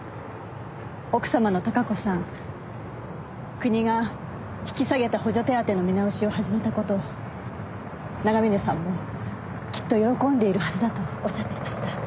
奥様の貴子さん国が引き下げた補助手当の見直しを始めた事長峰さんもきっと喜んでいるはずだとおっしゃっていました。